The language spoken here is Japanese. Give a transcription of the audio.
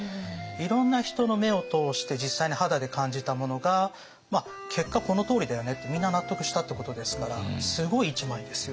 いろんな人の目を通して実際に肌で感じたものが結果このとおりだよねってみんな納得したってことですからすごい１枚ですよね。